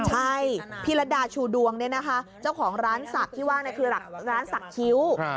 ใช่พี่รัฐดาชูดวงเนี่ยนะคะเจ้าของร้านศักดิ์ที่ว่าคือร้านสักคิ้ว